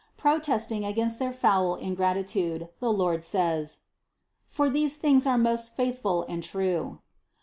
Protesting against their foul ingratitude, the Lord says : "For these things are most faithful and true."